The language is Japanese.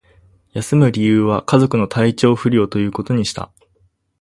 休む理由は、家族の体調不良ということにした